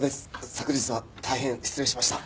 昨日は大変失礼しました。